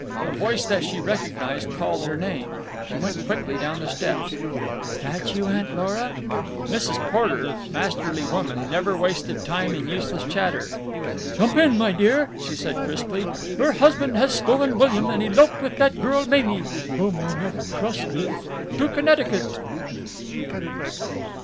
A voice that she recognised called her name. She went quickly down the steps. "Is that you, Aunt Lora?" Mrs. Porter, masterly woman, never wasted time in useless chatter. "Jump in, my dear," she said crisply. "Your husband has stolen William and eloped with that girl Mamie (whom I never trusted) to Connecticut."